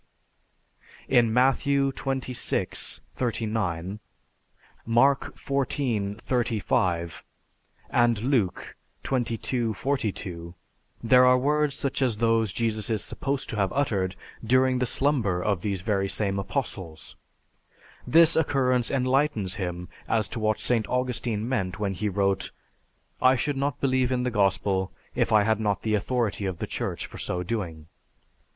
D. In Matthew XXVI, 39, Mark XIV, 35, and Luke XXII, 42, there are words such as those Jesus is supposed to have uttered during the slumber of these very same Apostles. This occurrence enlightens him as to what St. Augustine meant when he wrote, "I should not believe in the Gospel if I had not the authority of the Church for so doing."